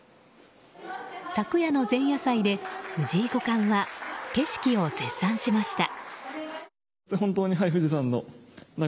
昨夜の前夜祭で藤井五冠は景色を絶賛しました。